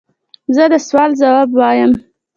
زه د سوال ځواب وایم.